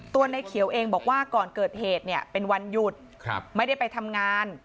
ในเขียวเองบอกว่าก่อนเกิดเหตุเนี่ยเป็นวันหยุดไม่ได้ไปทำงาน